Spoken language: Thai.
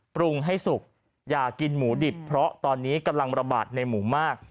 ปรุงให้สุกอย่ากินหมูดิบเพราะตอนนี้กำลังระบาดในหมูมาก